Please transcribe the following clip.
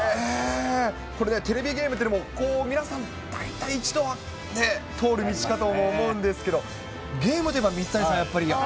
これね、テレビゲームって、大体皆さん、一度は通る道かとも思うんですけど、ゲームでは水谷さん、やっぱり。